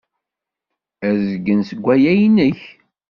Azgen seg waya inek.